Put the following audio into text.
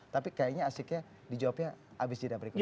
tapi kayaknya asiknya dijawabnya abis jidat berikutnya